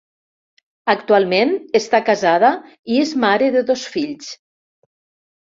Actualment està casada i és mare de dos fills.